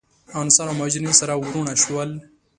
انصار او مهاجرین سره وروڼه شول.